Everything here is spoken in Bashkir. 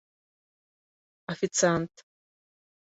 Официант